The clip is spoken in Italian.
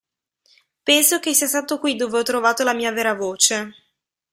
Penso che sia stato qui dove ho trovato la mia vera voce.